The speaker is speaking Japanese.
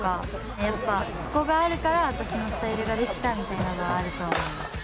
やっぱ、ここがあるから私のスタイルができたみたいなのはあると思います。